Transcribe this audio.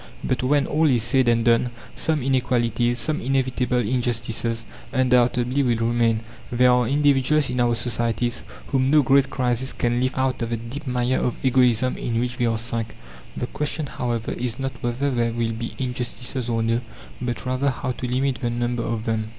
But, when all is said and done, some inequalities, some inevitable injustices, undoubtedly will remain. There are individuals in our societies whom no great crisis can lift out of the deep mire of egoism in which they are sunk. The question, however, is not whether there will be injustices or no, but rather how to limit the number of them.